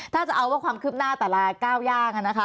ถ้าจะเอาว่าความคืบหน้าแต่ละก้าวย่างนะคะ